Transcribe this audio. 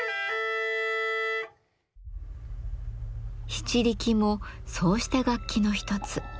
篳篥もそうした楽器の一つ。